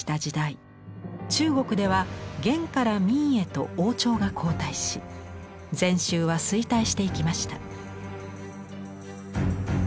中国では元から明へと王朝が交代し禅宗は衰退していきました。